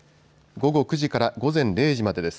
午後９時から午前０時までです。